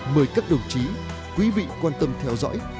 mời các đồng chí quý vị quan tâm theo dõi